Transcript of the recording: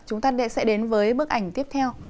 chúng ta sẽ đến với bức ảnh tiếp theo